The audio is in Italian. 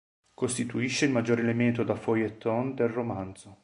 Costituisce il maggior elemento da feuilleton del romanzo.